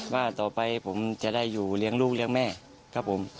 ว่าต่อไปผมจะได้อยู่เลี้ยงลูกเลี้ยงแม่ครับผม